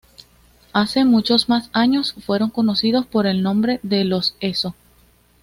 Hace muchos más años fueron conocidos por el nombre de los ezo.